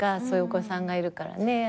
そういうお子さんがいるからね。